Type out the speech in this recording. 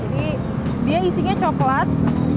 jadi dia isinya coklat